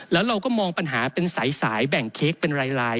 แล้วเราก็มองปัญหาเป็นสายแบ่งเค้กเป็นลาย